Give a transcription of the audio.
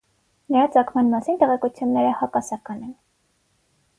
Նրա ծագման մասին տեղեկությունները հակասական են։